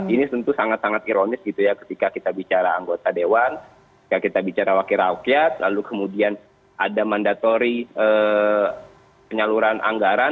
ini tentu sangat sangat ironis gitu ya ketika kita bicara anggota dewan ketika kita bicara wakil rakyat lalu kemudian ada mandatori penyaluran anggaran